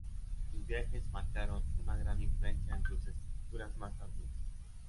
Sus viajes marcaron una gran influencia en sus escrituras más tardías.